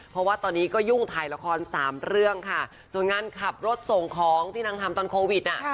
เพราะว่าตอนนี้ก็ยุ่งถ่ายละครสามเรื่องค่ะส่วนงานขับรถส่งของที่นางทำตอนโควิดอ่ะ